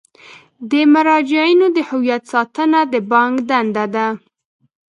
د مراجعینو د هویت ساتنه د بانک دنده ده.